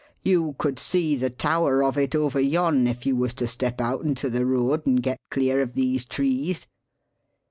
You could see the tower of it over yon if you was to step out into the road and get clear of these trees."